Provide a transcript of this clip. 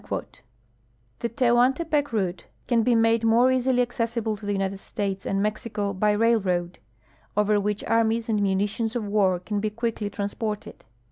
The Tehuantepec route can Ije made more easily accessible to the United States and Mexico by railroad, over which armies and munitions of war can he quickly trans})orted.